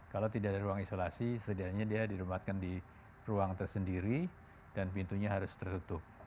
kalau tidak ada ruang isolasi setidaknya dia dirumatkan di ruang tersendiri dan pintunya harus tertutup